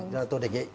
do đó tôi đề nghệ